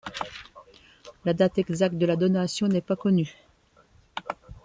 La date exacte de la donation n'est pas connue.